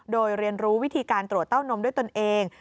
โดยเรียนรู้วิธีการตรวจเต้านมด้วยตนเอง